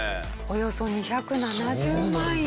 およそ２７０万円。